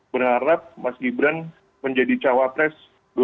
berharap mas gibran menjadi cawapres